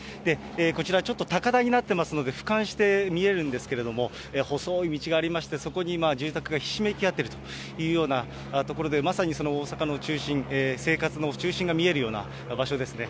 こちら、ちょっと高台になっていますので、ふかんして見えるんですけれども、細い道がありまして、そこに住宅がひしめき合っているという所で、まさに大阪の中心、生活の中心が見えるような場所ですね。